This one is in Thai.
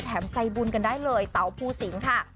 ใจบุญกันได้เลยเตาภูสิงค่ะ